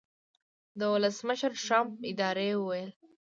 د ولسمشرټرمپ ادارې وویل